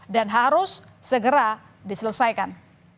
dan harus segera diselesaikan